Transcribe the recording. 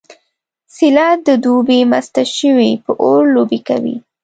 څیله د دوبي مسته شوې په اور لوبې کوي